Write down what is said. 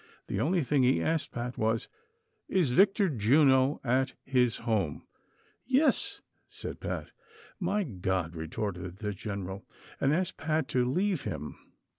The only thing he asked Pat was :" Is Victor Juno at his home V " "Yis," said Pat. " My God !" retorted the general, and asked Pat to leave him.